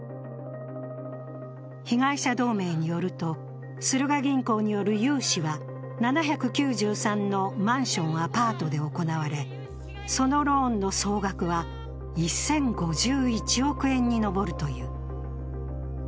被害者同盟によると、スルガ銀行による融資は７９３のマンション・アパートで行われ、そのローンの総額は１０５１億円に上るという。